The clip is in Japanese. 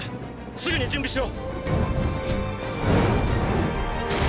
すぐに準備しろ！！